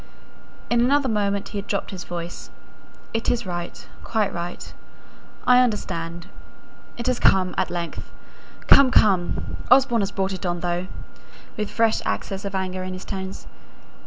In another moment he had dropped his voice. "It's right, quite right. I understand. It has come at length. Come! come! Osborne has brought it on, though," with a fresh access of anger in his tones.